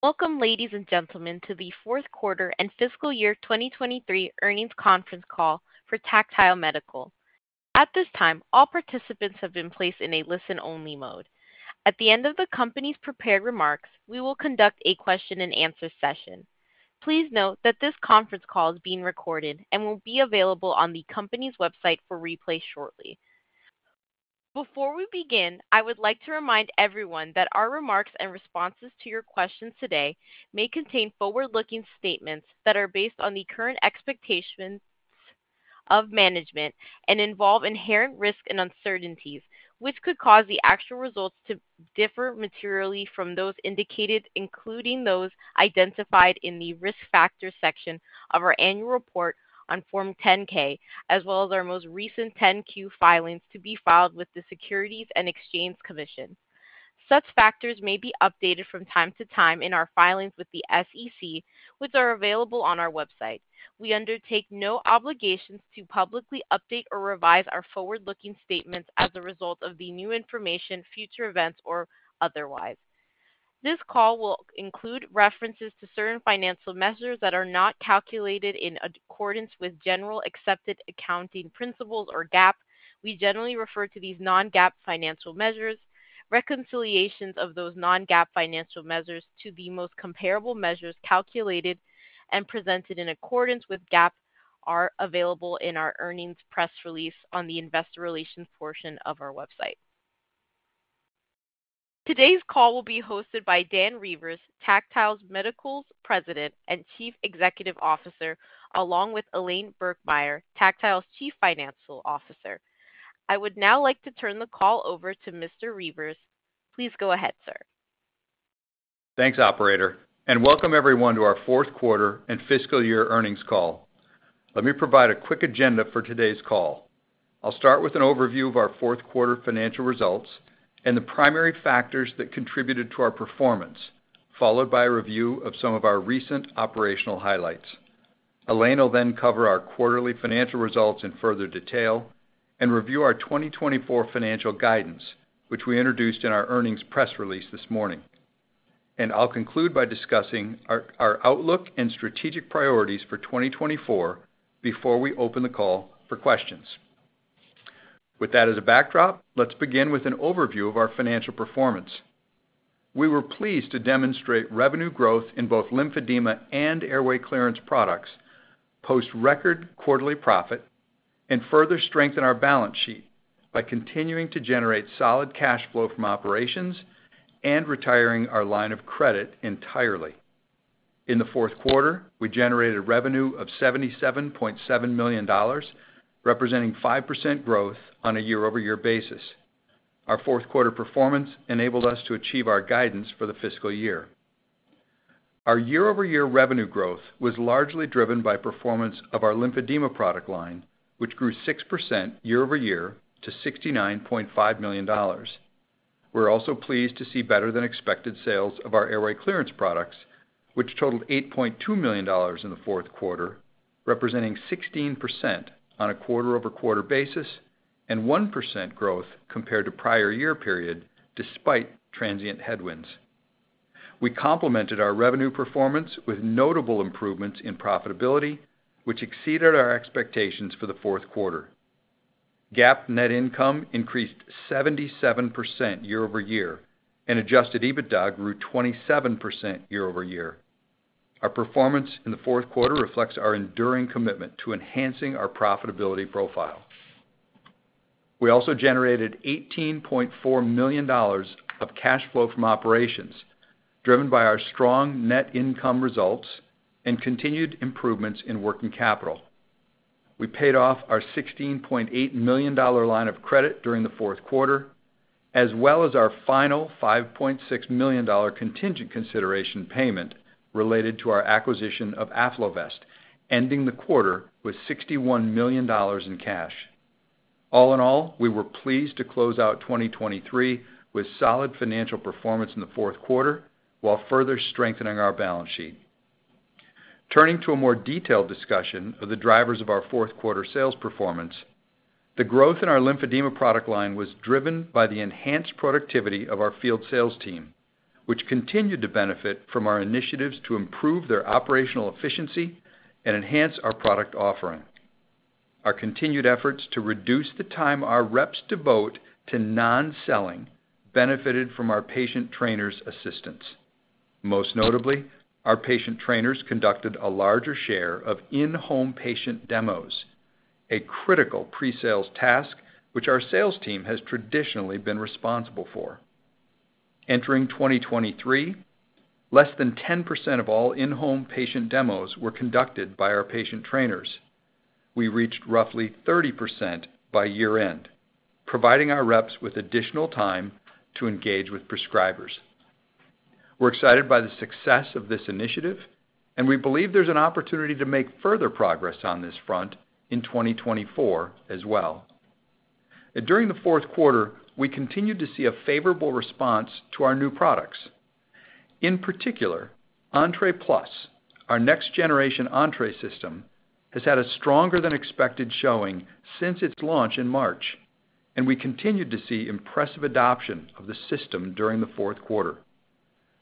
Welcome, ladies and gentlemen, to the fourth quarter and fiscal year 2023 earnings conference call for Tactile Medical. At this time, all participants have been placed in a listen-only mode. At the end of the company's prepared remarks, we will conduct a question-and-answer session. Please note that this conference call is being recorded and will be available on the company's website for replay shortly. Before we begin, I would like to remind everyone that our remarks and responses to your questions today may contain forward-looking statements that are based on the current expectations of management and involve inherent risks and uncertainties, which could cause the actual results to differ materially from those indicated, including those identified in the Risk Factors section of our annual report on Form 10-K, as well as our most recent 10-Q filings to be filed with the Securities and Exchange Commission. Such factors may be updated from time to time in our filings with the SEC, which are available on our website. We undertake no obligations to publicly update or revise our forward-looking statements as a result of the new information, future events, or otherwise. This call will include references to certain financial measures that are not calculated in accordance with Generally Accepted Accounting Principles, or GAAP. We generally refer to these non-GAAP financial measures. Reconciliations of those non-GAAP financial measures to the most comparable measures calculated and presented in accordance with GAAP are available in our earnings press release on the investor relations portion of our website. Today's call will be hosted by Dan Reuvers, Tactile Medical's President and Chief Executive Officer, along with Elaine Birkemeyer, Tactile's Chief Financial Officer. I would now like to turn the call over to Mr. Reuvers. Please go ahead, sir. Thanks, operator, and welcome everyone to our fourth quarter and fiscal year earnings call. Let me provide a quick agenda for today's call. I'll start with an overview of our fourth quarter financial results and the primary factors that contributed to our performance, followed by a review of some of our recent operational highlights. Elaine will then cover our quarterly financial results in further detail and review our 2024 financial guidance, which we introduced in our earnings press release this morning. I'll conclude by discussing our, our outlook and strategic priorities for 2024 before we open the call for questions. With that as a backdrop, let's begin with an overview of our financial performance. We were pleased to demonstrate revenue growth in both lymphedema and airway clearance products, post record quarterly profit, and further strengthen our balance sheet by continuing to generate solid cash flow from operations and retiring our line of credit entirely. In the fourth quarter, we generated revenue of $77.7 million, representing 5% growth on a year-over-year basis. Our fourth quarter performance enabled us to achieve our guidance for the fiscal year. Our year-over-year revenue growth was largely driven by performance of our lymphedema product line, which grew 6% year-over-year to $69.5 million. We're also pleased to see better-than-expected sales of our airway clearance products, which totaled $8.2 million in the fourth quarter, representing 16% on a quarter-over-quarter basis and 1% growth compared to prior-year period, despite transient headwinds. We complemented our revenue performance with notable improvements in profitability, which exceeded our expectations for the fourth quarter. GAAP net income increased 77% year-over-year, and adjusted EBITDA grew 27% year-over-year. Our performance in the fourth quarter reflects our enduring commitment to enhancing our profitability profile. We also generated $18.4 million of cash flow from operations, driven by our strong net income results and continued improvements in working capital. We paid off our $16.8 million line of credit during the fourth quarter, as well as our final $5.6 million contingent consideration payment related to our acquisition of AffloVest, ending the quarter with $61 million in cash. All in all, we were pleased to close out 2023 with solid financial performance in the fourth quarter, while further strengthening our balance sheet. Turning to a more detailed discussion of the drivers of our fourth quarter sales performance, the growth in our lymphedema product line was driven by the enhanced productivity of our field sales team, which continued to benefit from our initiatives to improve their operational efficiency and enhance our product offering. Our continued efforts to reduce the time our reps devote to non-selling benefited from our patient trainers' assistance. Most notably, our patient trainers conducted a larger share of in-home patient demos, a critical pre-sales task which our sales team has traditionally been responsible for. Entering 2023, less than 10% of all in-home patient demos were conducted by our patient trainers. We reached roughly 30% by year-end, providing our reps with additional time to engage with prescribers. We're excited by the success of this initiative, and we believe there's an opportunity to make further progress on this front in 2024 as well. During the fourth quarter, we continued to see a favorable response to our new products. In particular, Entre Plus, our next generation Entre System, has had a stronger than expected showing since its launch in March, and we continued to see impressive adoption of the system during the fourth quarter.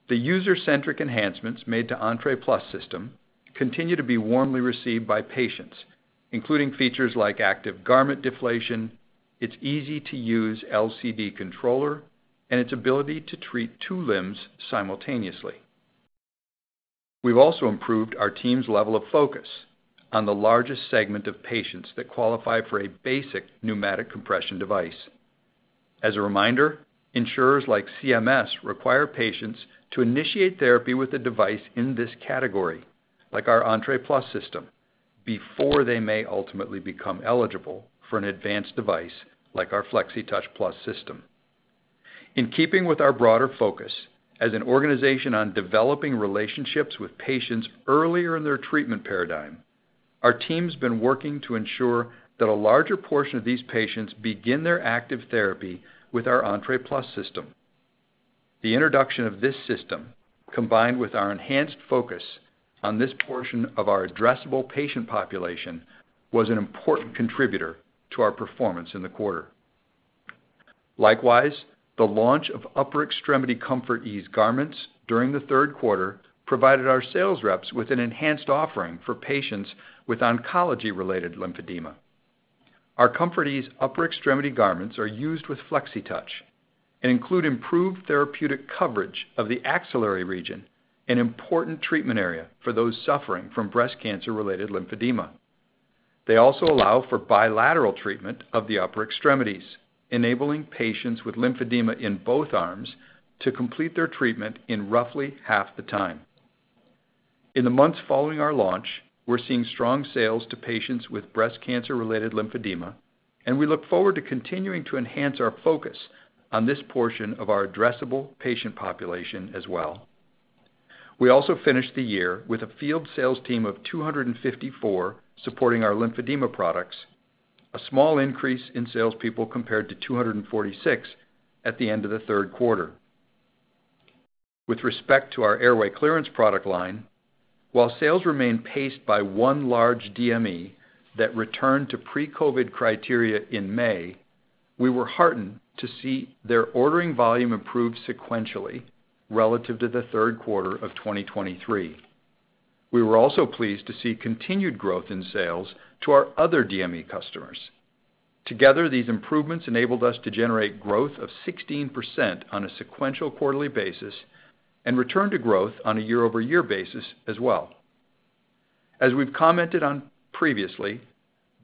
The user-centric enhancements made to Entre Plus system continue to be warmly received by patients, including features like active garment deflation, its easy-to-use LCD controller, and its ability to treat two limbs simultaneously. We've also improved our team's level of focus on the largest segment of patients that qualify for a basic pneumatic compression device. As a reminder, insurers like CMS require patients to initiate therapy with a device in this category, like our Entre Plus system, before they may ultimately become eligible for an advanced device like our Flexitouch Plus system. In keeping with our broader focus as an organization on developing relationships with patients earlier in their treatment paradigm, our team's been working to ensure that a larger portion of these patients begin their active therapy with our Entre Plus system. The introduction of this system, combined with our enhanced focus on this portion of our addressable patient population, was an important contributor to our performance in the quarter. Likewise, the launch of upper extremity ComfortEase garments during the third quarter provided our sales reps with an enhanced offering for patients with oncology-related lymphedema. Our ComfortEase upper extremity garments are used with Flexitouch and include improved therapeutic coverage of the axillary region, an important treatment area for those suffering from breast cancer-related lymphedema. They also allow for bilateral treatment of the upper extremities, enabling patients with lymphedema in both arms to complete their treatment in roughly half the time. In the months following our launch, we're seeing strong sales to patients with breast cancer-related lymphedema, and we look forward to continuing to enhance our focus on this portion of our addressable patient population as well. We also finished the year with a field sales team of 254 supporting our lymphedema products, a small increase in salespeople compared to 246 at the end of the third quarter. With respect to our airway clearance product line, while sales remained paced by one large DME that returned to pre-COVID criteria in May, we were heartened to see their ordering volume improve sequentially relative to the third quarter of 2023. We were also pleased to see continued growth in sales to our other DME customers. Together, these improvements enabled us to generate growth of 16% on a sequential quarterly basis and return to growth on a year-over-year basis as well. As we've commented on previously,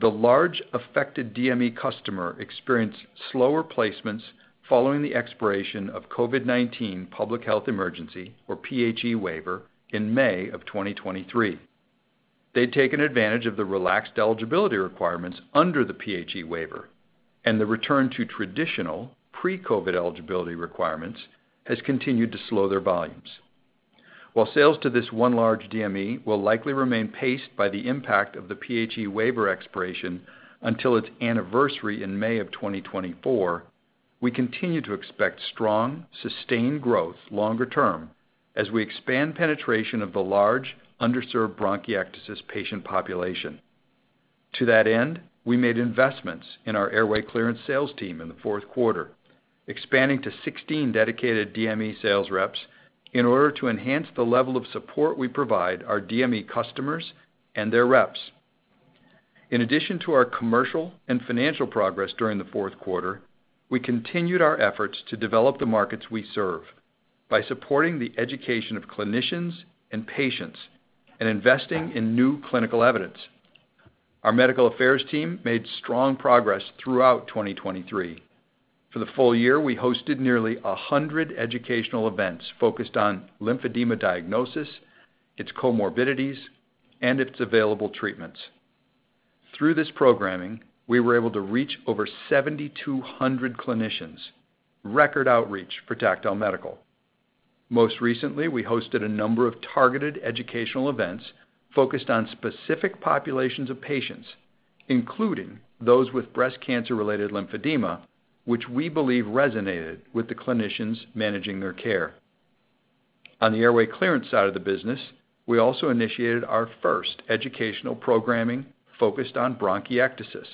the large affected DME customer experienced slower placements following the expiration of COVID-19 public health emergency, or PHE waiver, in May of 2023. They'd taken advantage of the relaxed eligibility requirements under the PHE waiver, and the return to traditional pre-COVID eligibility requirements has continued to slow their volumes. While sales to this one large DME will likely remain paced by the impact of the PHE waiver expiration until its anniversary in May of 2024, we continue to expect strong, sustained growth longer term as we expand penetration of the large, underserved bronchiectasis patient population. To that end, we made investments in our airway clearance sales team in the fourth quarter, expanding to 16 dedicated DME sales reps in order to enhance the level of support we provide our DME customers and their reps. In addition to our commercial and financial progress during the fourth quarter, we continued our efforts to develop the markets we serve by supporting the education of clinicians and patients and investing in new clinical evidence. Our medical affairs team made strong progress throughout 2023. For the full year, we hosted nearly 100 educational events focused on lymphedema diagnosis, its comorbidities, and its available treatments. Through this programming, we were able to reach over 7,200 clinicians, record outreach for Tactile Medical. Most recently, we hosted a number of targeted educational events focused on specific populations of patients, including those with breast cancer-related lymphedema, which we believe resonated with the clinicians managing their care. On the airway clearance side of the business, we also initiated our first educational programming focused on bronchiectasis,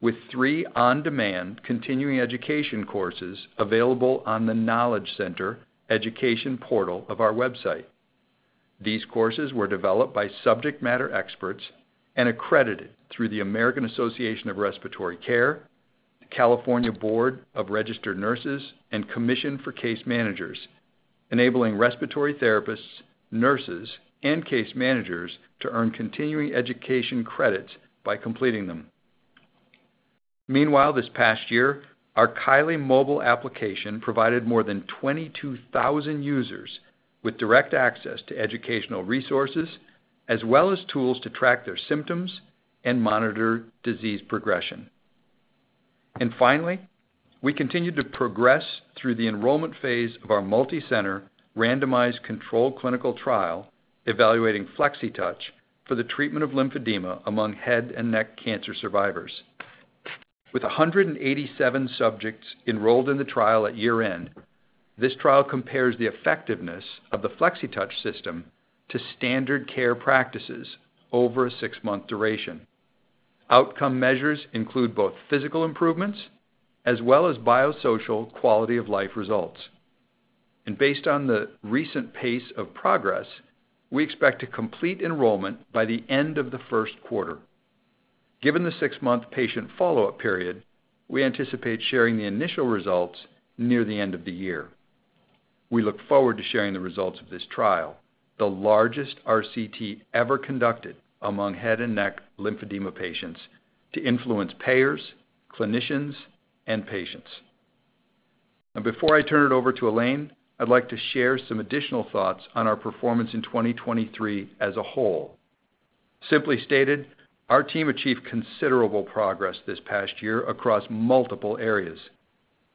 with three on-demand continuing education courses available on the Knowledge Center education portal of our website. These courses were developed by subject matter experts and accredited through the American Association for Respiratory Care, California Board of Registered Nursing, and Commission for Case Manager Certification, enabling respiratory therapists, nurses, and case managers to earn continuing education credits by completing them. Meanwhile, this past year, our Kylee mobile application provided more than 22,000 users with direct access to educational resources, as well as tools to track their symptoms and monitor disease progression. And finally, we continued to progress through the enrollment phase of our multicenter, randomized controlled clinical trial, evaluating Flexitouch for the treatment of lymphedema among head and neck cancer survivors. With 187 subjects enrolled in the trial at year-end. This trial compares the effectiveness of the Flexitouch system to standard care practices over a six-month duration. Outcome measures include both physical improvements as well as biosocial quality of life results. And based on the recent pace of progress, we expect to complete enrollment by the end of the first quarter. Given the six-month patient follow-up period, we anticipate sharing the initial results near the end of the year. We look forward to sharing the results of this trial, the largest RCT ever conducted among head and neck Lymphedema patients, to influence payers, clinicians, and patients. Before I turn it over to Elaine, I'd like to share some additional thoughts on our performance in 2023 as a whole. Simply stated, our team achieved considerable progress this past year across multiple areas,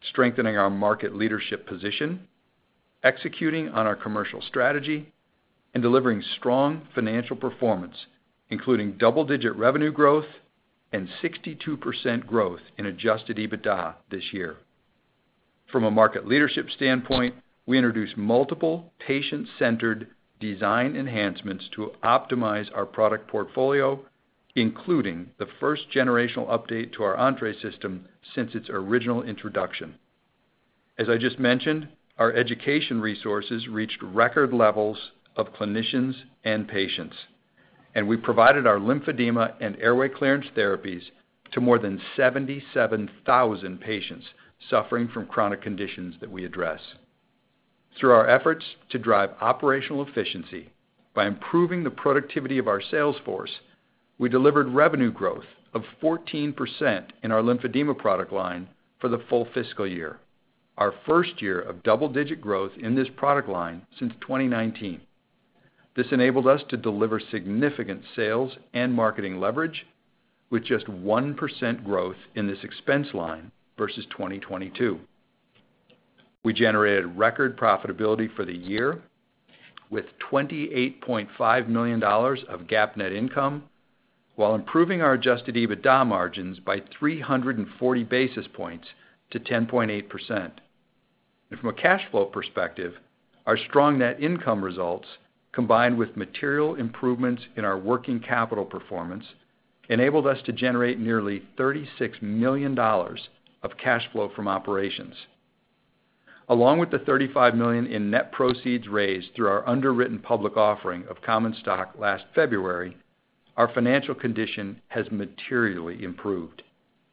strengthening our market leadership position, executing on our commercial strategy, and delivering strong financial performance, including double-digit revenue growth and 62% growth in Adjusted EBITDA this year. From a market leadership standpoint, we introduced multiple patient-centered design enhancements to optimize our product portfolio, including the first generational update to our Entre System since its original introduction. As I just mentioned, our education resources reached record levels of clinicians and patients, and we provided our lymphedema and airway clearance therapies to more than 77,000 patients suffering from chronic conditions that we address. Through our efforts to drive operational efficiency by improving the productivity of our sales force, we delivered revenue growth of 14% in our lymphedema product line for the full fiscal year, our first year of double-digit growth in this product line since 2019. This enabled us to deliver significant sales and marketing leverage with just 1% growth in this expense line versus 2022. We generated record profitability for the year with $28.5 million of GAAP net income, while improving our adjusted EBITDA margins by 340 basis points to 10.8%. From a cash flow perspective, our strong net income results, combined with material improvements in our working capital performance, enabled us to generate nearly $36 million of cash flow from operations. Along with the $35 million in net proceeds raised through our underwritten public offering of common stock last February, our financial condition has materially improved.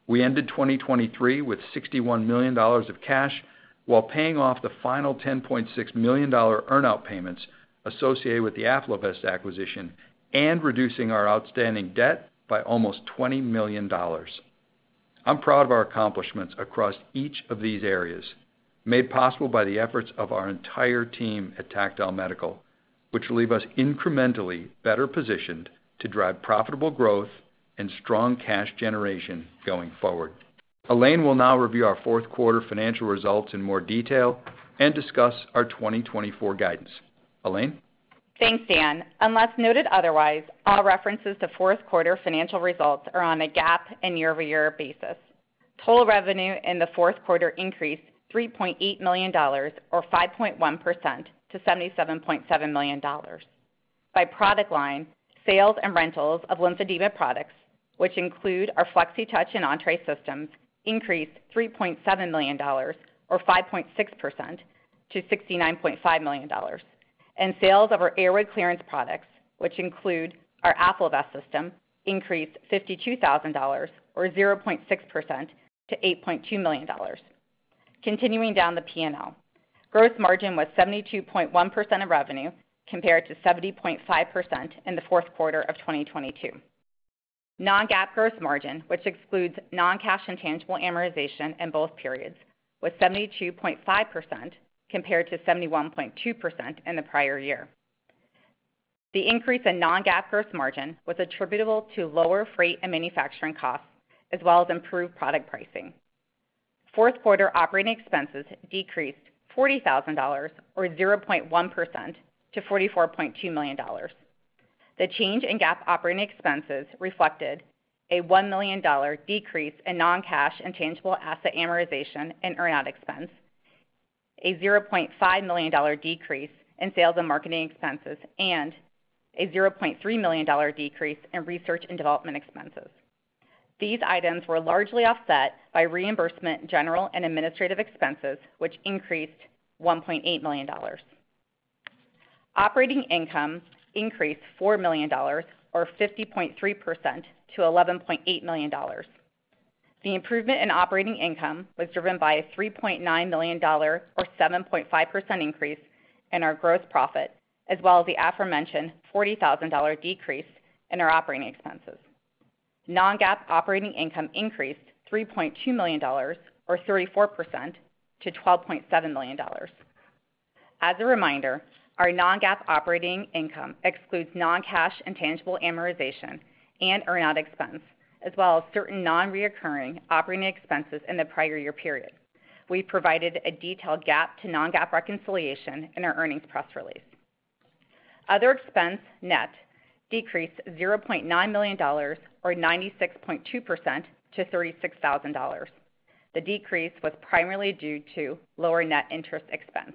We ended 2023 with $61 million of cash, while paying off the final $10.6 million earn-out payments associated with the AffloVest acquisition and reducing our outstanding debt by almost $20 million. I'm proud of our accomplishments across each of these areas, made possible by the efforts of our entire team at Tactile Medical, which leave us incrementally better positioned to drive profitable growth and strong cash generation going forward. Elaine will now review our fourth quarter financial results in more detail and discuss our 2024 guidance. Elaine? Thanks, Dan. Unless noted otherwise, all references to fourth quarter financial results are on a GAAP and year-over-year basis. Total revenue in the fourth quarter increased $3.8 million or 5.1% to $77.7 million. By product line, sales and rentals of lymphedema products, which include our Flexitouch and Entre systems, increased $3.7 million or 5.6% to $69.5 million. And sales of our airway clearance products, which include our AffloVest system, increased $52,000 or 0.6% to $8.2 million. Continuing down the P&L, gross margin was 72.1% of revenue, compared to 70.5% in the fourth quarter of 2022. Non-GAAP gross margin, which excludes non-cash intangible amortization in both periods, was 72.5%, compared to 71.2% in the prior year. The increase in non-GAAP gross margin was attributable to lower freight and manufacturing costs, as well as improved product pricing. Fourth quarter operating expenses decreased $40,000, or 0.1% to $44.2 million. The change in GAAP operating expenses reflected a $1 million decrease in non-cash intangible asset amortization and earn out expense, a $0.5 million decrease in sales and marketing expenses, and a $0.3 million decrease in research and development expenses. These items were largely offset by reimbursement, general and administrative expenses, which increased $1.8 million. Operating income increased $4 million, or 50.3% to $11.8 million. The improvement in operating income was driven by a $3.9 million or 7.5% increase in our gross profit, as well as the aforementioned $40,000 decrease in our operating expenses. Non-GAAP operating income increased $3.2 million or 34% to $12.7 million. As a reminder, our non-GAAP operating income excludes non-cash intangible amortization and earn-out expense, as well as certain non-recurring operating expenses in the prior year period. We provided a detailed GAAP to non-GAAP reconciliation in our earnings press release. Other expense net decreased $0.9 million or 96.2% to $36,000. The decrease was primarily due to lower net interest expense.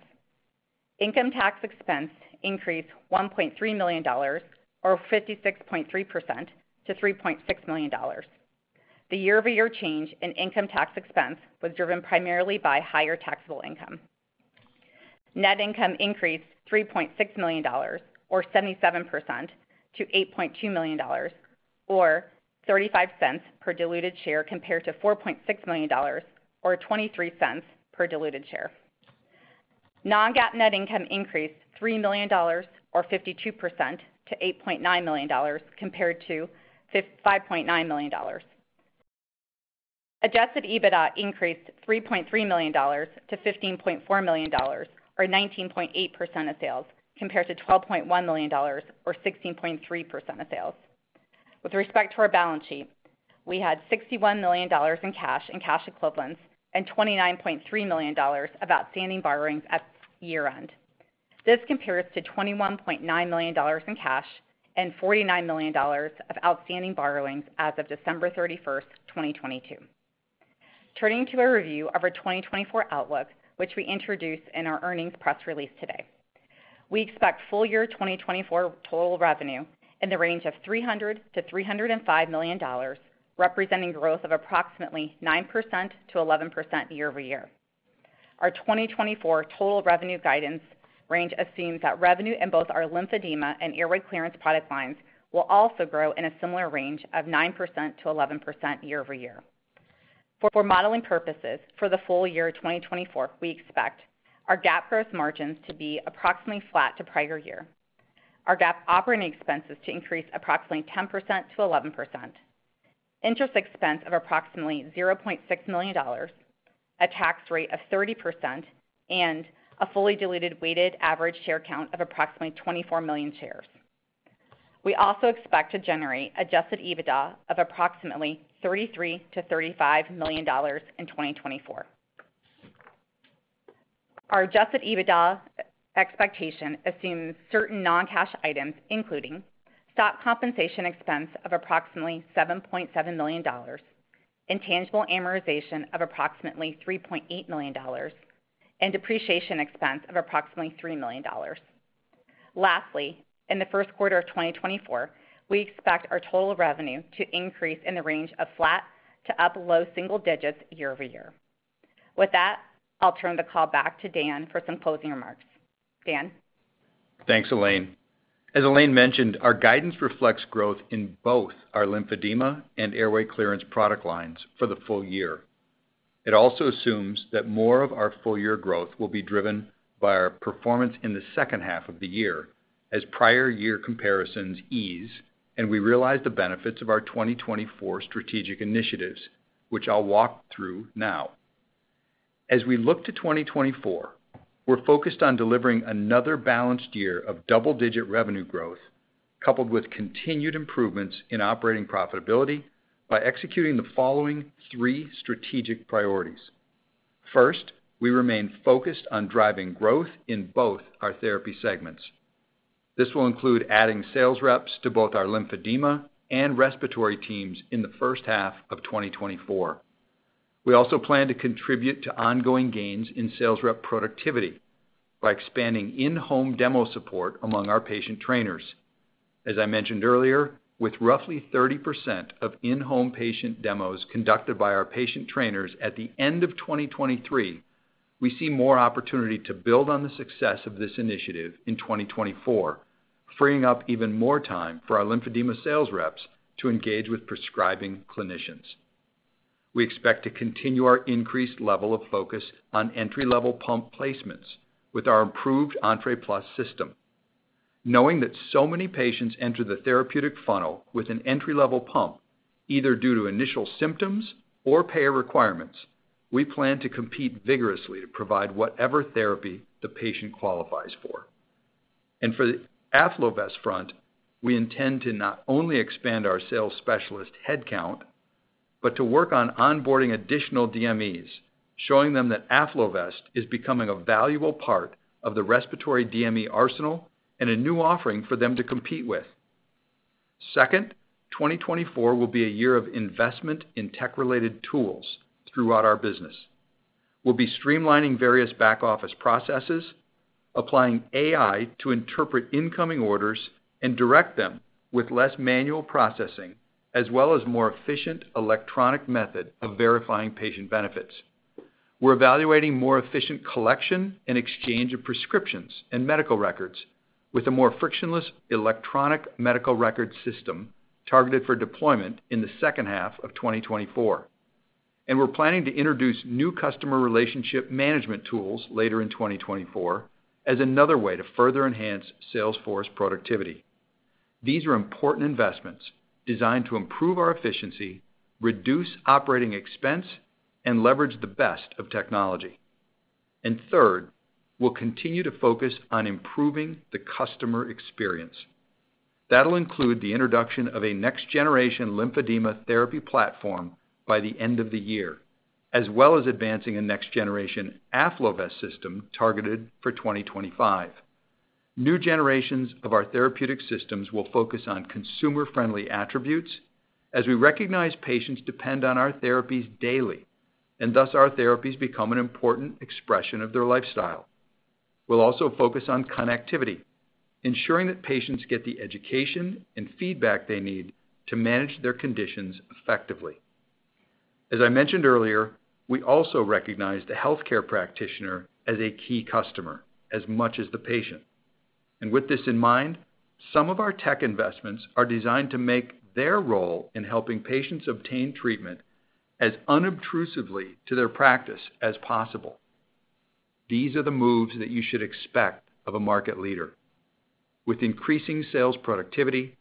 Income tax expense increased $1.3 million, or 56.3% to $3.6 million. The year-over-year change in income tax expense was driven primarily by higher taxable income. Net income increased $3.6 million, or 77% to $8.2 million, or 35 cents per diluted share, compared to $4.6 million, or 23 cents per diluted share. Non-GAAP net income increased $3 million or 52% to $8.9 million, compared to $5.9 million. Adjusted EBITDA increased $3.3 million to $15.4 million, or 19.8% of sales, compared to $12.1 million or 16.3% of sales. With respect to our balance sheet, we had $61 million in cash and cash equivalents and $29.3 million of outstanding borrowings at year-end. This compares to $21.9 million in cash and $49 million of outstanding borrowings as of December 31, 2022. Turning to a review of our 2024 outlook, which we introduced in our earnings press release today. We expect full year 2024 total revenue in the range of $300 million-$305 million, representing growth of approximately 9%-11% year-over-year. Our 2024 total revenue guidance range assumes that revenue in both our lymphedema and airway clearance product lines will also grow in a similar range of 9%-11% year-over-year. For modeling purposes, for the full year 2024, we expect our GAAP gross margins to be approximately flat to prior year. Our GAAP operating expenses to increase approximately 10%-11%, interest expense of approximately $0.6 million, a tax rate of 30%, and a fully diluted weighted average share count of approximately 24 million shares. We also expect to generate adjusted EBITDA of approximately $33 million-$35 million in 2024. Our adjusted EBITDA expectation assumes certain non-cash items, including stock compensation expense of approximately $7.7 million, intangible amortization of approximately $3.8 million, and depreciation expense of approximately $3 million. Lastly, in the first quarter of 2024, we expect our total revenue to increase in the range of flat to up low single digits year-over-year. With that, I'll turn the call back to Dan for some closing remarks. Dan? Thanks, Elaine. As Elaine mentioned, our guidance reflects growth in both our lymphedema and airway clearance product lines for the full year. It also assumes that more of our full year growth will be driven by our performance in the second half of the year, as prior year comparisons ease, and we realize the benefits of our 2024 strategic initiatives, which I'll walk through now. As we look to 2024, we're focused on delivering another balanced year of double-digit revenue growth, coupled with continued improvements in operating profitability by executing the following three strategic priorities. First, we remain focused on driving growth in both our therapy segments. This will include adding sales reps to both our lymphedema and respiratory teams in the first half of 2024. We also plan to contribute to ongoing gains in sales rep productivity by expanding in-home demo support among our patient trainers. As I mentioned earlier, with roughly 30% of in-home patient demos conducted by our patient trainers at the end of 2023, we see more opportunity to build on the success of this initiative in 2024, freeing up even more time for our lymphedema sales reps to engage with prescribing clinicians. We expect to continue our increased level of focus on entry-level pump placements with our improved Entre Plus system. Knowing that so many patients enter the therapeutic funnel with an entry-level pump, either due to initial symptoms or payer requirements, we plan to compete vigorously to provide whatever therapy the patient qualifies for. And for the AffloVest front, we intend to not only expand our sales specialist headcount, but to work on onboarding additional DMEs, showing them that AffloVest is becoming a valuable part of the respiratory DME arsenal and a new offering for them to compete with. Second, 2024 will be a year of investment in tech-related tools throughout our business. We'll be streamlining various back-office processes, applying AI to interpret incoming orders and direct them with less manual processing, as well as more efficient electronic method of verifying patient benefits. We're evaluating more efficient collection and exchange of prescriptions and medical records with a more frictionless electronic medical record system targeted for deployment in the second half of 2024. And we're planning to introduce new customer relationship management tools later in 2024 as another way to further enhance sales force productivity. These are important investments designed to improve our efficiency, reduce operating expense, and leverage the best of technology. And third, we'll continue to focus on improving the customer experience. That'll include the introduction of a next-generation lymphedema therapy platform by the end of the year, as well as advancing a next-generation AffloVest system targeted for 2025. New generations of our therapeutic systems will focus on consumer-friendly attributes as we recognize patients depend on our therapies daily, and thus our therapies become an important expression of their lifestyle. We'll also focus on connectivity, ensuring that patients get the education and feedback they need to manage their conditions effectively. As I mentioned earlier, we also recognize the healthcare practitioner as a key customer as much as the patient, and with this in mind, some of our tech investments are designed to make their role in helping patients obtain treatment as unobtrusively to their practice as possible. These are the moves that you should expect of a market leader. With increasing sales productivity,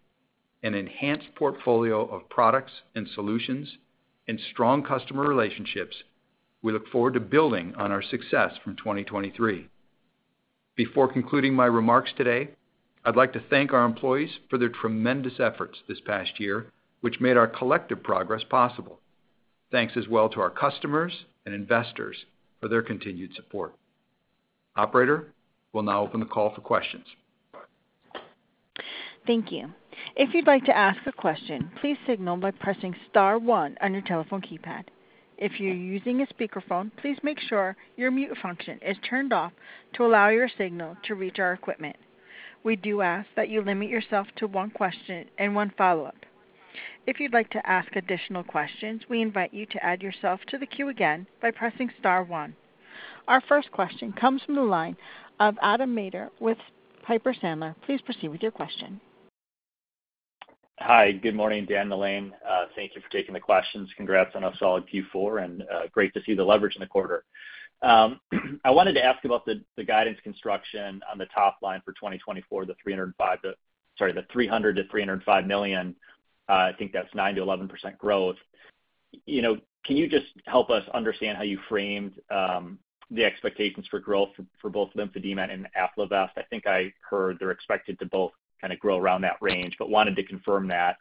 an enhanced portfolio of products and solutions, and strong customer relationships, we look forward to building on our success from 2023. Before concluding my remarks today, I'd like to thank our employees for their tremendous efforts this past year, which made our collective progress possible. Thanks as well to our customers and investors for their continued support. Operator, we'll now open the call for questions. Thank you. If you'd like to ask a question, please signal by pressing star one on your telephone keypad. If you're using a speakerphone, please make sure your mute function is turned off to allow your signal to reach our equipment. We do ask that you limit yourself to one question and one follow-up. If you'd like to ask additional questions, we invite you to add yourself to the queue again by pressing star one. Our first question comes from the line of Adam Maeder with Piper Sandler. Please proceed with your question. Hi, good morning, Dan, Elaine. Thank you for taking the questions. Congrats on a solid Q4, and great to see the leverage in the quarter. I wanted to ask about the guidance construction on the top line for 2024, Sorry, the $300 million-$305 million. I think that's 9%-11% growth. You know, can you just help us understand how you framed the expectations for growth for both lymphedema and AffloVest? I think I heard they're expected to both kind of grow around that range, but wanted to confirm that.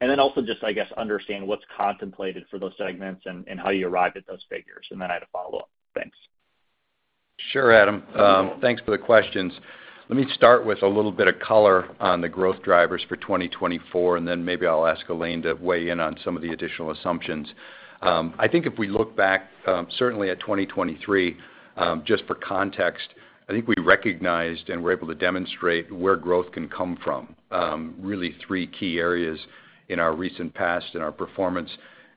And then also just, I guess, understand what's contemplated for those segments and, and how you arrived at those figures. And then I had a follow-up. Thanks. Sure, Adam. Thanks for the questions. Let me start with a little bit of color on the growth drivers for 2024, and then maybe I'll ask Elaine to weigh in on some of the additional assumptions. I think if we look back, certainly at 2023, just for context, I think we recognized and were able to demonstrate where growth can come from. Really three key areas in our recent past, and our performance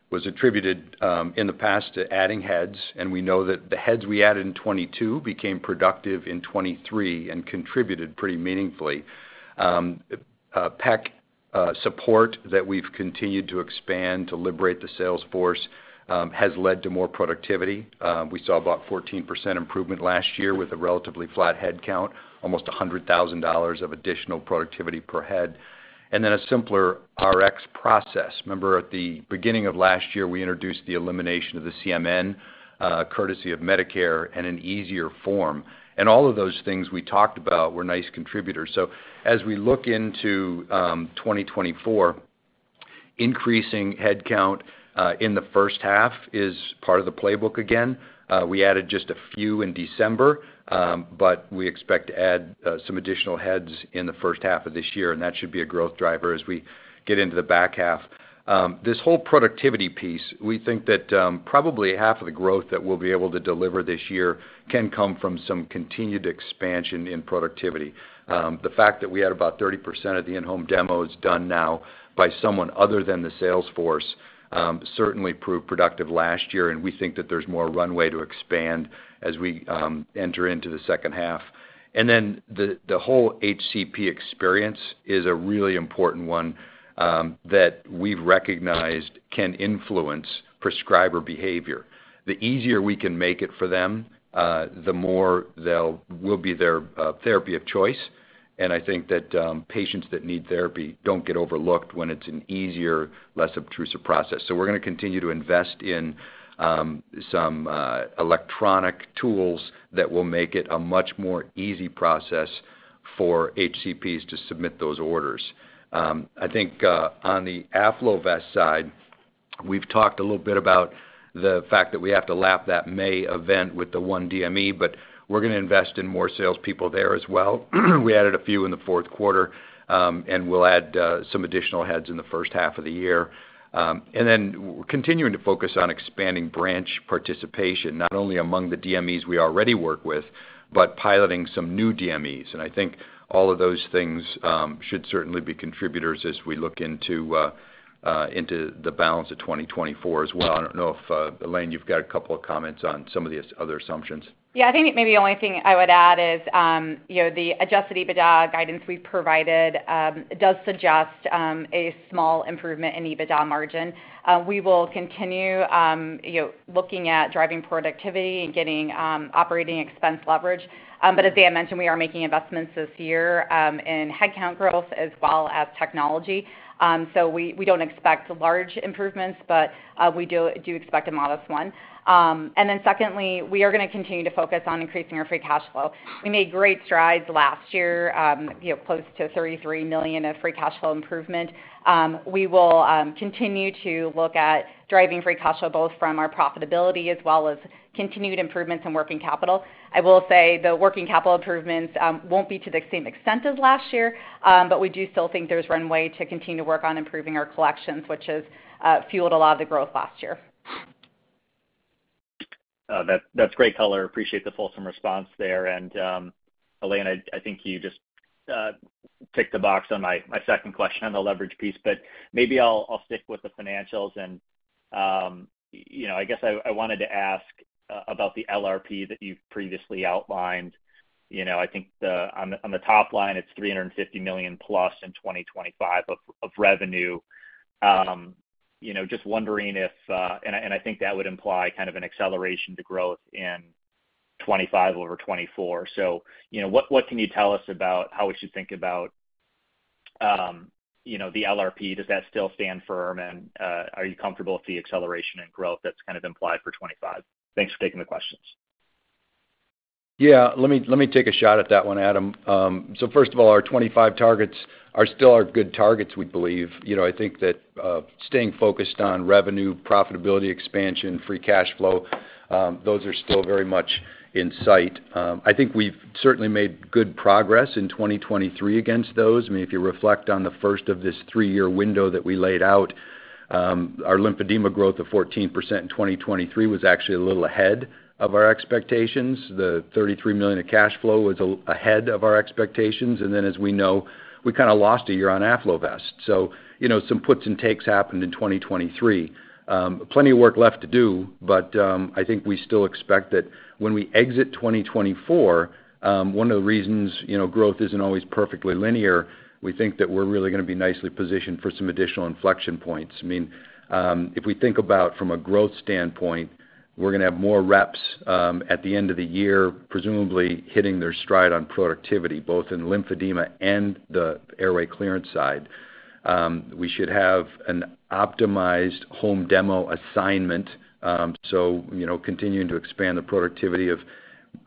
was attributed, in the past to adding heads, and we know that the heads we added in 2022 became productive in 2023 and contributed pretty meaningfully. PHE support that we've continued to expand to liberate the sales force has led to more productivity. We saw about 14% improvement last year with a relatively flat head count, almost $100,000 of additional productivity per head. And then a simpler RX process. Remember, at the beginning of last year, we introduced the elimination of the CMN, courtesy of Medicare and an easier form. And all of those things we talked about were nice contributors. So as we look into 2024, increasing head count in the first half is part of the playbook again. We added just a few in December, but we expect to add some additional heads in the first half of this year, and that should be a growth driver as we get into the back half. This whole productivity piece, we think that, probably half of the growth that we'll be able to deliver this year can come from some continued expansion in productivity. The fact that we had about 30% of the in-home demos done now by someone other than the sales force, certainly proved productive last year, and we think that there's more runway to expand as we, enter into the second half. And then the whole HCP experience is a really important one, that we've recognized can influence prescriber behavior. The easier we can make it for them, the more they'll-- we'll be their, therapy of choice, and I think that, patients that need therapy don't get overlooked when it's an easier, less obtrusive process. So we're gonna continue to invest in some electronic tools that will make it a much more easy process for HCPs to submit those orders. I think on the AffloVest side, we've talked a little bit about the fact that we have to lap that May event with the 1 DME, but we're gonna invest in more salespeople there as well. We added a few in the fourth quarter, and we'll add some additional heads in the first half of the year. And then continuing to focus on expanding branch participation, not only among the DMEs we already work with, but piloting some new DMEs. And I think all of those things should certainly be contributors as we look into the balance of 2024 as well. I don't know if, Elaine, you've got a couple of comments on some of these other assumptions. Yeah, I think maybe the only thing I would add is, you know, the Adjusted EBITDA guidance we've provided does suggest a small improvement in EBITDA margin. We will continue, you know, looking at driving productivity and getting operating expense leverage. But as Dan mentioned, we are making investments this year in headcount growth as well as technology. So we don't expect large improvements, but we do expect a modest one. And then secondly, we are gonna continue to focus on increasing our free cash flow. We made great strides last year, you know, close to $33 million of free cash flow improvement. We will continue to look at driving free cash flow, both from our profitability as well as continued improvements in working capital. I will say the working capital improvements won't be to the same extent as last year, but we do still think there's runway to continue to work on improving our collections, which has fueled a lot of the growth last year. ... That's great color. Appreciate the fulsome response there. Elaine, I think you just ticked the box on my second question on the leverage piece, but maybe I'll stick with the financials. You know, I guess I wanted to ask about the LRP that you've previously outlined. You know, I think the on the top line, it's $350 million+ in 2025 of revenue. You know, just wondering if... I think that would imply kind of an acceleration to growth in 2025 over 2024. You know, what can you tell us about how we should think about the LRP? Does that still stand firm, and are you comfortable with the acceleration in growth that's kind of implied for 2025? Thanks for taking the questions. Yeah. Let me, let me take a shot at that one, Adam. So first of all, our 25 targets are still our good targets, we believe. You know, I think that, staying focused on revenue, profitability, expansion, free cash flow, those are still very much in sight. I think we've certainly made good progress in 2023 against those. I mean, if you reflect on the first of this 3-year window that we laid out, our lymphedema growth of 14% in 2023 was actually a little ahead of our expectations. The $33 million of cash flow was ahead of our expectations. And then, as we know, we kind of lost a year on AffloVest. So, you know, some puts and takes happened in 2023. Plenty of work left to do, but I think we still expect that when we exit 2024, one of the reasons, you know, growth isn't always perfectly linear. We think that we're really gonna be nicely positioned for some additional inflection points. I mean, if we think about from a growth standpoint, we're gonna have more reps at the end of the year, presumably hitting their stride on productivity, both in lymphedema and the airway clearance side. We should have an optimized home demo assignment, so, you know, continuing to expand the productivity of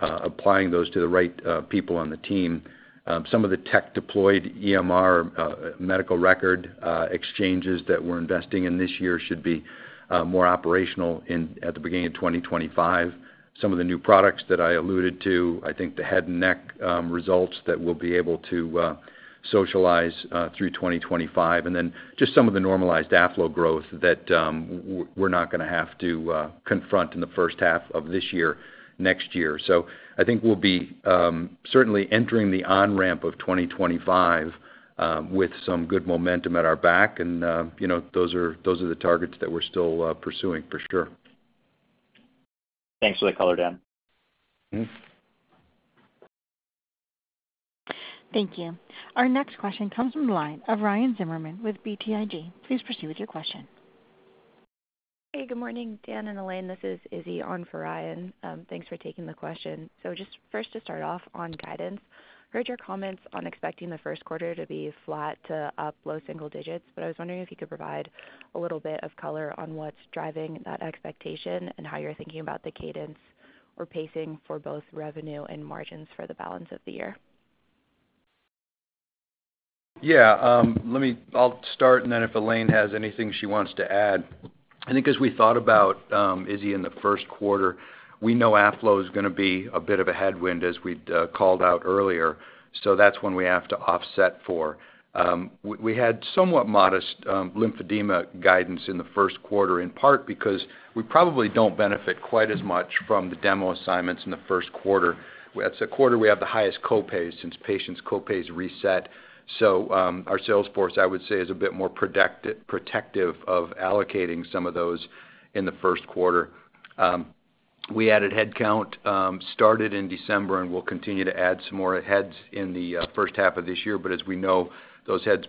applying those to the right people on the team. Some of the tech-deployed EMR medical record exchanges that we're investing in this year should be more operational in at the beginning of 2025. Some of the new products that I alluded to, I think the head and neck results that we'll be able to socialize through 2025, and then just some of the normalized Afflo growth that we're not gonna have to confront in the first half of this year, next year. So I think we'll be certainly entering the on-ramp of 2025 with some good momentum at our back, and you know, those are, those are the targets that we're still pursuing for sure. Thanks for the color, Dan. Mm-hmm. Thank you. Our next question comes from the line of Ryan Zimmerman with BTIG. Please proceed with your question. Hey, good morning, Dan and Elaine. This is Izzy on for Ryan. Thanks for taking the question. So just first, to start off on guidance, heard your comments on expecting the first quarter to be flat to up low single digits, but I was wondering if you could provide a little bit of color on what's driving that expectation and how you're thinking about the cadence or pacing for both revenue and margins for the balance of the year. Yeah, let me. I'll start, and then if Elaine has anything she wants to add. I think as we thought about, Izzy, in the first quarter, we know Afflo is gonna be a bit of a headwind, as we'd called out earlier, so that's when we have to offset for. We had somewhat modest lymphedema guidance in the first quarter, in part because we probably don't benefit quite as much from the demo assignments in the first quarter. That's the quarter we have the highest copay since patients' copays reset. So, our sales force, I would say, is a bit more protective of allocating some of those in the first quarter. We added headcount, started in December, and we'll continue to add some more heads in the first half of this year. But as we know, those heads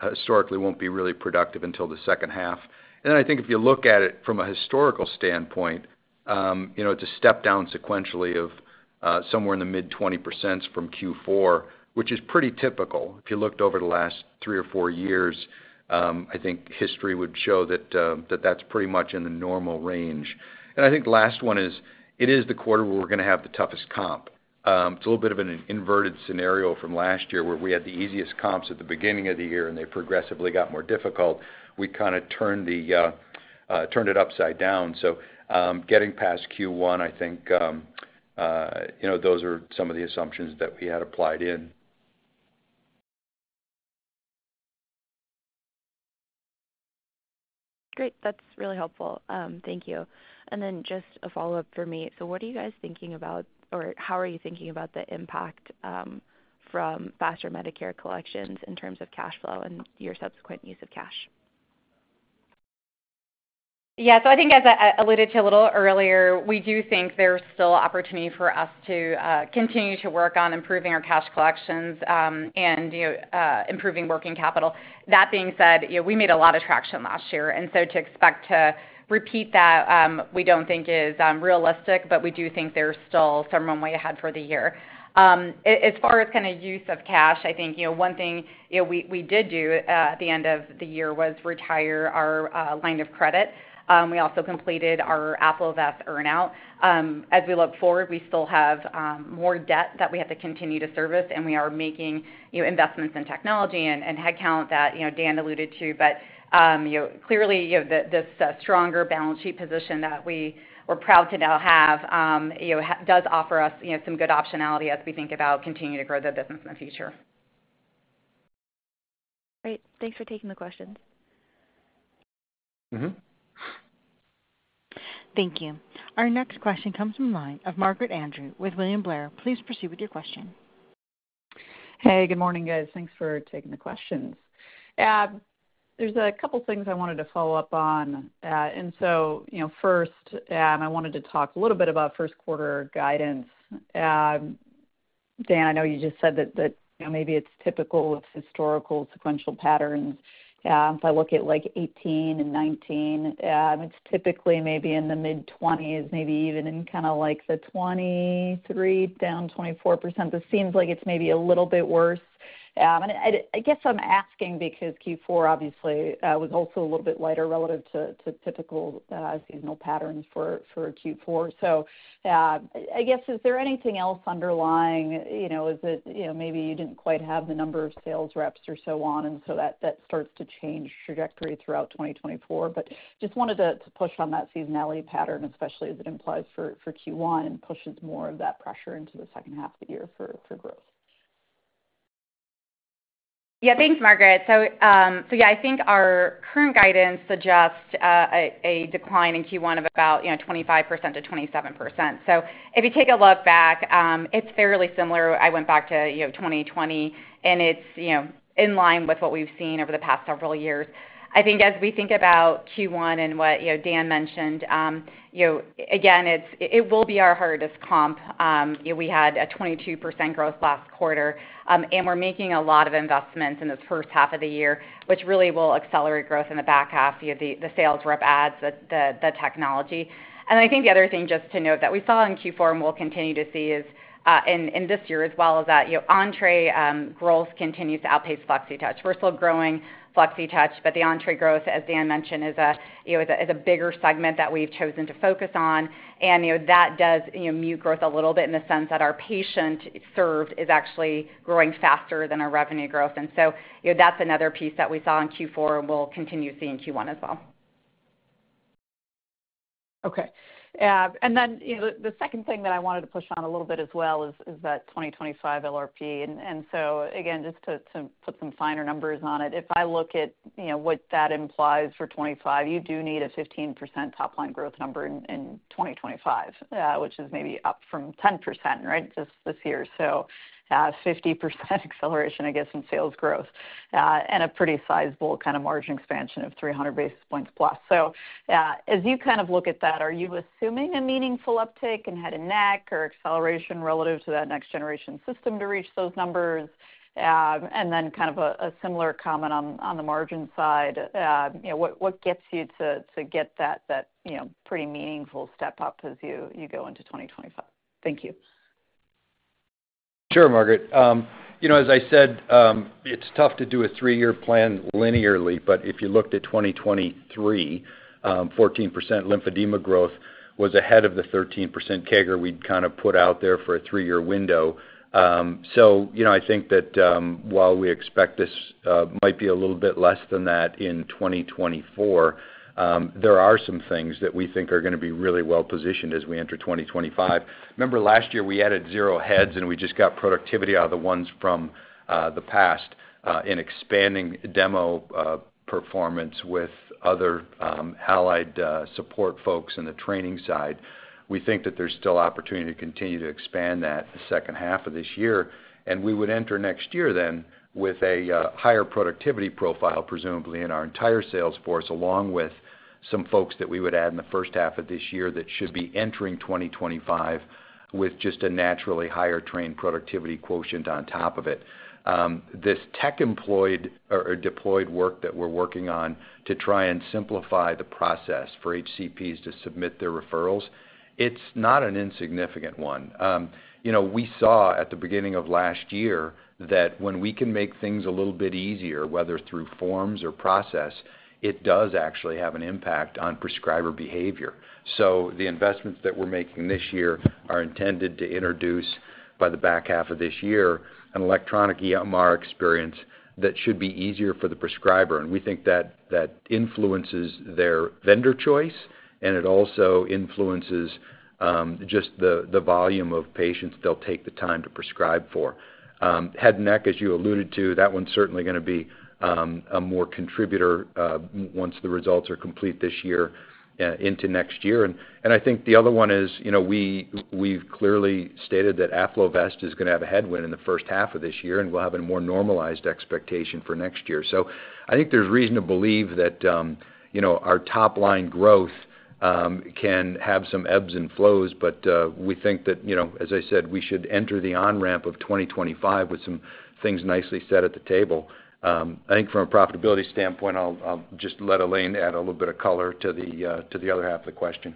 historically won't be really productive until the second half. And then I think if you look at it from a historical standpoint, you know, it's a step down sequentially of somewhere in the mid-20% from Q4, which is pretty typical. If you looked over the last three or four years, I think history would show that that's pretty much in the normal range. And I think the last one is, it is the quarter where we're gonna have the toughest comp. It's a little bit of an inverted scenario from last year, where we had the easiest comps at the beginning of the year, and they progressively got more difficult. We kind of turned it upside down. Getting past Q1, I think, you know, those are some of the assumptions that we had applied in. Great. That's really helpful. Thank you. And then just a follow-up for me. So what are you guys thinking about, or how are you thinking about the impact, from faster Medicare collections in terms of cash flow and your subsequent use of cash? Yeah, so I think as I alluded to a little earlier, we do think there's still opportunity for us to continue to work on improving our cash collections, and, you know, improving working capital. That being said, you know, we made a lot of traction last year, and so to expect to repeat that, we don't think is realistic, but we do think there's still some runway ahead for the year. As far as kind of use of cash, I think, you know, one thing, you know, we did do at the end of the year was retire our line of credit. We also completed our AffloVest earn-out. As we look forward, we still have more debt that we have to continue to service, and we are making, you know, investments in technology and headcount that, you know, Dan alluded to. But, you know, clearly, you know, this stronger balance sheet position that we were proud to now have, you know, does offer us, you know, some good optionality as we think about continuing to grow the business in the future. Great. Thanks for taking the questions. Mm-hmm. Thank you. Our next question comes from the line of Margaret Kaczor Andrew with William Blair. Please proceed with your question. Hey, good morning, guys. Thanks for taking the questions. There's a couple things I wanted to follow up on. And so, you know, first, I wanted to talk a little bit about first quarter guidance. Dan, I know you just said that, you know, maybe it's typical of historical sequential patterns. If I look at, like, 2018 and 2019, it's typically maybe in the mid-20s%, maybe even kinda like the 23%-24%. This seems like it's maybe a little bit worse. And I guess I'm asking because Q4 obviously was also a little bit lighter relative to typical seasonal patterns for a Q4. So, I guess, is there anything else underlying, you know, is it, you know, maybe you didn't quite have the number of sales reps or so on, and so that starts to change trajectory throughout 2024. But just wanted to push on that seasonality pattern, especially as it implies for Q1 and pushes more of that pressure into the second half of the year for growth. Yeah. Thanks, Margaret. So, yeah, I think our current guidance suggests a decline in Q1 of about, you know, 25%-27%. So if you take a look back, it's fairly similar. I went back to, you know, 2020, and it's, you know, in line with what we've seen over the past several years. I think as we think about Q1 and what, you know, Dan mentioned, you know, again, it's it will be our hardest comp. You know, we had a 22% growth last quarter, and we're making a lot of investments in this first half of the year, which really will accelerate growth in the back half, you know, the sales rep adds, the technology. And I think the other thing just to note that we saw in Q4, and we'll continue to see is, in this year as well, is that, you know, Entre growth continues to outpace Flexitouch. We're still growing Flexitouch, but the Entre growth, as Dan mentioned, is a, you know, is a, is a bigger segment that we've chosen to focus on, and, you know, that does, you know, mute growth a little bit in the sense that our patient served is actually growing faster than our revenue growth. And so, you know, that's another piece that we saw in Q4, and we'll continue seeing Q1 as well. Okay. And then, you know, the second thing that I wanted to push on a little bit as well is that 2025 LRP. And so again, just to put some finer numbers on it, if I look at, you know, what that implies for 2025, you do need a 15% top line growth number in 2025, which is maybe up from 10%, right? Just this year. So, 50% acceleration, I guess, in sales growth, and a pretty sizable kind of margin expansion of 300 basis points plus. So, as you kind of look at that, are you assuming a meaningful uptick in head and neck or acceleration relative to that next generation system to reach those numbers? And then kind of a similar comment on the margin side. You know, what gets you to get that you know pretty meaningful step up as you go into 2025? Thank you. Sure, Margaret. You know, as I said, it's tough to do a three-year plan linearly, but if you looked at 2023, 14% lymphedema growth was ahead of the 13% CAGR we'd kind of put out there for a three-year window. So, you know, I think that, while we expect this might be a little bit less than that in 2024, there are some things that we think are gonna be really well-positioned as we enter 2025. Remember, last year, we added 0 heads, and we just got productivity out of the ones from the past in expanding demo performance with other allied support folks in the training side. We think that there's still opportunity to continue to expand that the second half of this year, and we would enter next year then with a higher productivity profile, presumably in our entire sales force, along with some folks that we would add in the first half of this year that should be entering 2025, with just a naturally higher trained productivity quotient on top of it. This tech employed or deployed work that we're working on to try and simplify the process for HCPs to submit their referrals, it's not an insignificant one. You know, we saw at the beginning of last year that when we can make things a little bit easier, whether through forms or process, it does actually have an impact on prescriber behavior. So the investments that we're making this year are intended to introduce, by the back half of this year, an electronic EMR experience that should be easier for the prescriber, and we think that that influences their vendor choice, and it also influences just the volume of patients they'll take the time to prescribe for. Head and neck, as you alluded to, that one's certainly gonna be a more contributor once the results are complete this year into next year. And I think the other one is, you know, we've clearly stated that AffloVest is gonna have a headwind in the first half of this year, and we'll have a more normalized expectation for next year. So I think there's reason to believe that, you know, our top-line growth can have some ebbs and flows, but we think that, you know, as I said, we should enter the on-ramp of 2025 with some things nicely set at the table. I think from a profitability standpoint, I'll just let Elaine add a little bit of color to the other half of the question.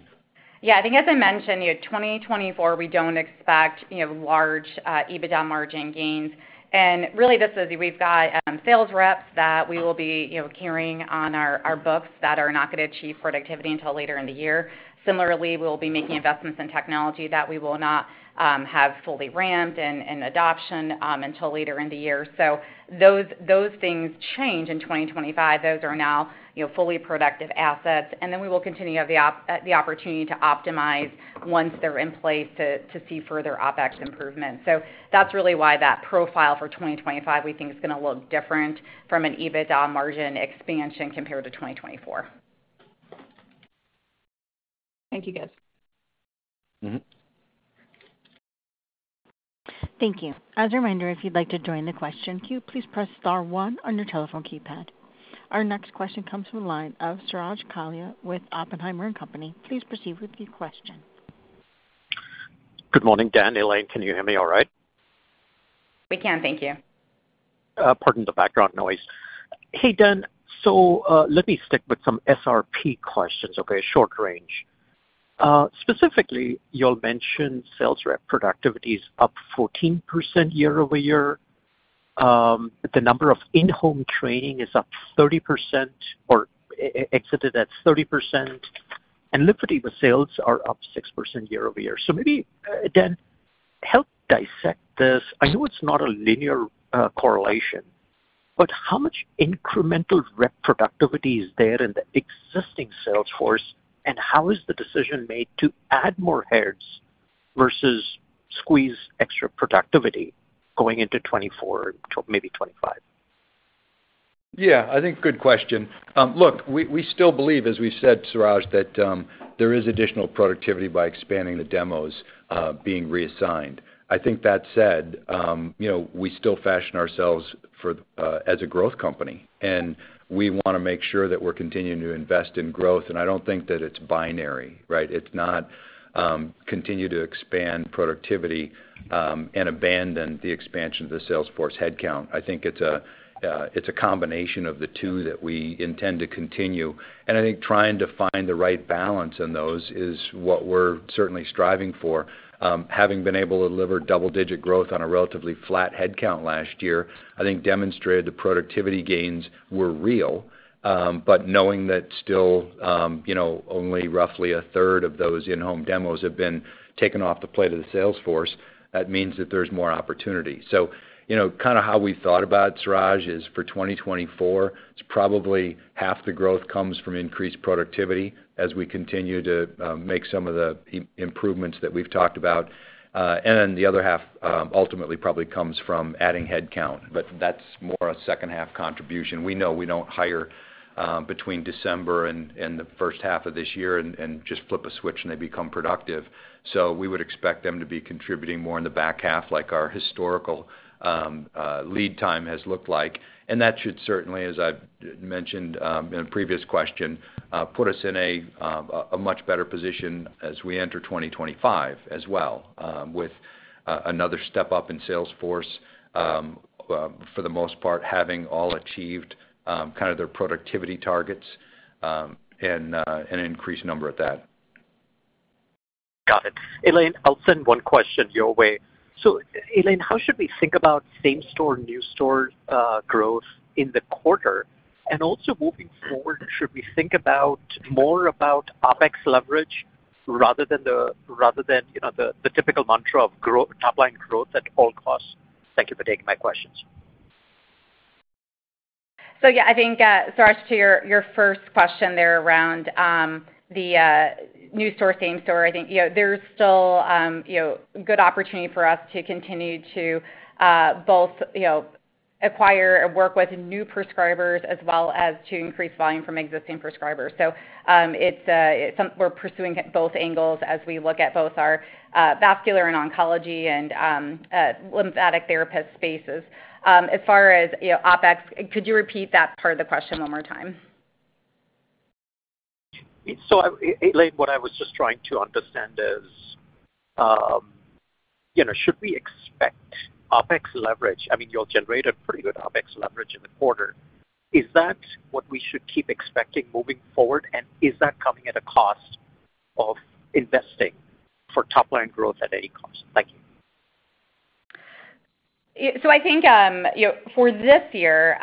Yeah, I think as I mentioned, you know, 2024, we don't expect, you know, large EBITDA margin gains. And really, this is we've got sales reps that we will be, you know, carrying on our books that are not gonna achieve productivity until later in the year. Similarly, we'll be making investments in technology that we will not have fully ramped and adoption until later in the year. So those things change in 2025. Those are now, you know, fully productive assets, and then we will continue to have the opportunity to optimize once they're in place, to see further OpEx improvements. So that's really why that profile for 2025, we think, is gonna look different from an EBITDA margin expansion compared to 2024. Thank you, guys. Mm-hmm. Thank you. As a reminder, if you'd like to join the question queue, please press star one on your telephone keypad. Our next question comes from the line of Suraj Kalia with Oppenheimer and Company. Please proceed with your question. Good morning, Dan, Elaine, can you hear me all right? We can, thank you. Pardon the background noise. Hey, Dan. So, let me stick with some SRP questions, okay? Short range. Specifically, you all mentioned sales rep productivity is up 14% year-over-year. The number of in-home training is up 30% or exceeded at 30%, and lymphe sales are up 6% year-over-year. So maybe, Dan, help dissect this. I know it's not a linear correlation, but how much incremental rep productivity is there in the existing sales force? And how is the decision made to add more heads versus squeeze extra productivity going into 2024, maybe 2025? Yeah, I think good question. Look, we, we still believe, as we've said, Suraj, that, there is additional productivity by expanding the demos, being reassigned. I think that said, you know, we still fashion ourselves for, as a growth company, and we wanna make sure that we're continuing to invest in growth, and I don't think that it's binary, right? It's not, continue to expand productivity, and abandon the expansion of the sales force headcount. I think it's a, it's a combination of the two that we intend to continue, and I think trying to find the right balance in those is what we're certainly striving for. Having been able to deliver double-digit growth on a relatively flat headcount last year, I think demonstrated the productivity gains were real, but knowing that still, you know, only roughly a third of those in-home demos have been taken off the plate of the sales force, that means that there's more opportunity. So, you know, kind of how we thought about it, Suraj, is for 2024, it's probably half the growth comes from increased productivity as we continue to make some of the improvements that we've talked about. And then the other half ultimately probably comes from adding headcount, but that's more a second-half contribution. We know we don't hire between December and the first half of this year and just flip a switch, and they become productive. So we would expect them to be contributing more in the back half, like our historical lead time has looked like. And that should certainly, as I've mentioned in a previous question, put us in a much better position as we enter 2025 as well, with another step up in sales force, for the most part, having all achieved kind of their productivity targets, and an increased number at that. Got it. Elaine, I'll send one question your way. So, Elaine, how should we think about same store, new store, growth in the quarter? And also, moving forward, should we think about more about OpEx leverage rather than the, rather than, you know, the, the typical mantra of grow- top-line growth at all costs? Thank you for taking my questions. So yeah, I think, Suraj, to your, your first question there around, the, new store, same store. I think, you know, there's still, you know, good opportunity for us to continue to, both, you know, acquire and work with new prescribers as well as to increase volume from existing prescribers. So, it's, we're pursuing both angles as we look at both our, vascular and oncology and, lymphatic therapist spaces. As far as, you know, OpEx, could you repeat that part of the question one more time? So Elaine, what I was just trying to understand is, you know, should we expect OpEx leverage? I mean, you all generated pretty good OpEx leverage in the quarter. Is that what we should keep expecting moving forward? And is that coming at a cost of investing for top-line growth at any cost? Thank you. Yeah, so I think, you know, for this year,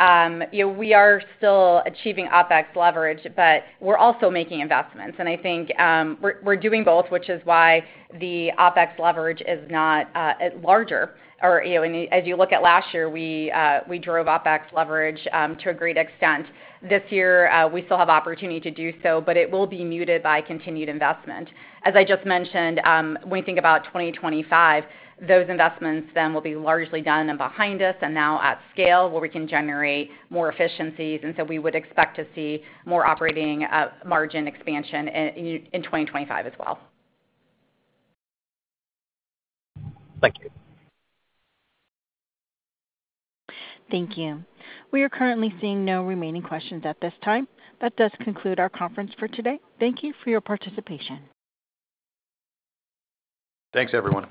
you know, we are still achieving OpEx leverage, but we're also making investments. And I think, we're doing both, which is why the OpEx leverage is not larger. Or, you know, and as you look at last year, we drove OpEx leverage to a great extent. This year, we still have opportunity to do so, but it will be muted by continued investment. As I just mentioned, when we think about 2025, those investments then will be largely done and behind us and now at scale, where we can generate more efficiencies, and so we would expect to see more operating margin expansion in 2025 as well. Thank you. Thank you. We are currently seeing no remaining questions at this time. That does conclude our conference for today. Thank you for your participation. Thanks, everyone.